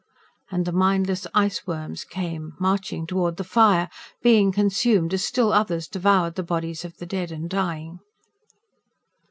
And the mindless iceworms came, marching toward the fire, being consumed, as still others devoured the bodies of the dead and dying.